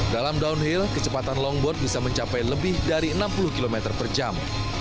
dalam downhill kecepatan longboard bisa mencapai lebih dari enam puluh km per jam